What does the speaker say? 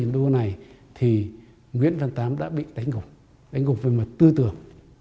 đánh gục về mặt tư tưởng